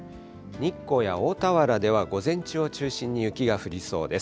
日光や大田原では午前中を中心に雪が降りそうです。